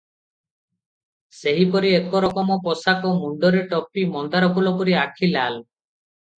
ସେହିପରି ଏକ ରକମ ପୋଷାକ, ମୁଣ୍ଡରେ ଟୋପି, ମନ୍ଦାରଫୁଲ ପରି ଆଖି ଲାଲ ।